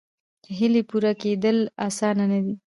هیلې پوره کېدل اسانه نه دي.